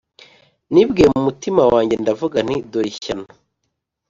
Nibwiye mu mutima wanjye ndavuga nti Dore ishyano